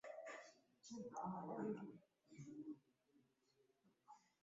Ripoti hiyo haikutoa sababu ya kusitisha mazungumzo